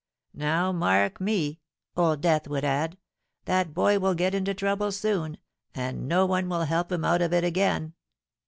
Now, mark me,' Old Death would add, 'that boy will get into trouble soon, and no one will help him out of it again.'